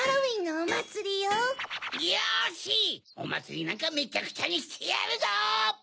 おまつりなんかめちゃくちゃにしてやるぞ！